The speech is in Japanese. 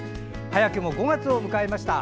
早くも５月を迎えました。